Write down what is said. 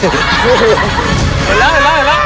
เห็นแล้ว